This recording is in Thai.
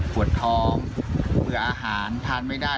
ปวดท้องเบื่ออาหารทานไม่ได้